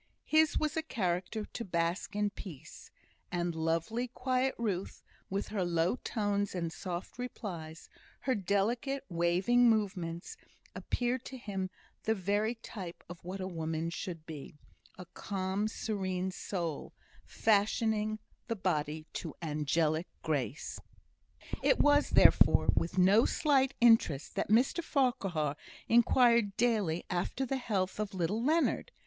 His was a character to bask in peace; and lovely, quiet Ruth, with her low tones and quiet replies, her delicate waving movements, appeared to him the very type of what a woman should be a calm, serene soul, fashioning the body to angelic grace. It was, therefore, with no slight interest that Mr Farquhar inquired daily after the health of little Leonard.